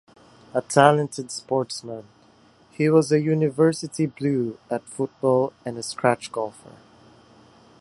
A talented sportsman, he was a University blue at football and a scratch golfer.